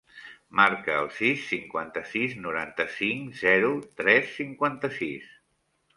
Marca el sis, cinquanta-sis, noranta-cinc, zero, tres, cinquanta-sis.